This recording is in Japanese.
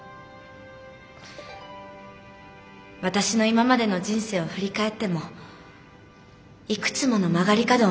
私の今までの人生を振り返ってもいくつもの曲がり角を曲がってきました。